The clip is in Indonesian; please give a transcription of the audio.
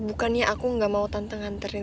bukannya aku gak mau tante nganterin reva